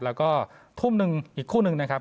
แล้วก็ทุ่มหนึ่งอีกคู่หนึ่งนะครับ